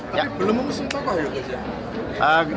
tapi belum mengusung toko